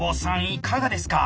いかがですか？